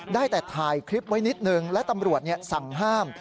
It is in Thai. ได้แต่ถ่ายคลิปไว้นิดนึงและตำรวจสั่งห้าม